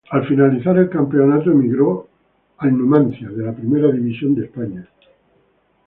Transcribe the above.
Al finalizar el campeonato emigró al Numancia, de la Primera División de España.